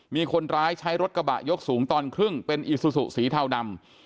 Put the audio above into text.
มีคนร้ายใช้รถกระบะยกสูงตอนครึ่งเป็นอีซูซูสีเทาดำ